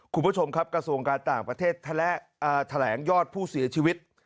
คุณผู้ชมครับกระทรวงการต่างประเทศแถลงยอดผู้เสียชีวิต